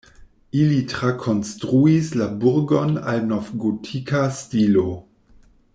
Ili trakonstruis la burgon al novgotika stilo.